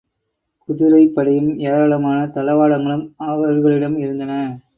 குதிரைப் படையும் ஏராளமான தளவாடங்களும் அவர்களிடம் இருந்தன.